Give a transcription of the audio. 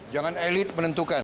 jangan elit menentukan